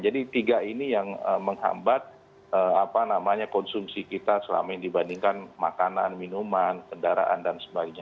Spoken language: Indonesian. jadi tiga ini yang menghambat konsumsi kita selama yang dibandingkan makanan minuman kendaraan dan sebagainya